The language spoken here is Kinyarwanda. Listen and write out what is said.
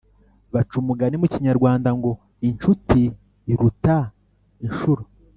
Baca umugani mu Kinyarwanda ngo: “Inshuti iruta inshuro.”